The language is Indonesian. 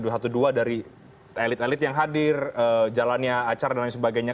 dari elit elit yang hadir jalannya acara dan lain sebagainya